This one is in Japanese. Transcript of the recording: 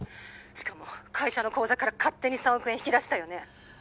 ☎しかも会社の口座から勝手に３億円引き出したよね